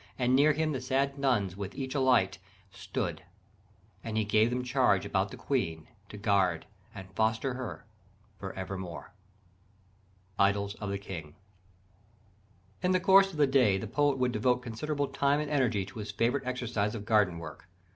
And near him the sad nuns with each a light, Stood, and he gave them charge about the Queen, To guard and foster her for evermore." Idylls of the King. In the course of the day the poet would devote considerable time and energy to his favourite exercise of garden work.